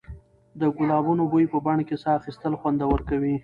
د ګلانو بوی په بڼ کې ساه اخیستل خوندور کوي.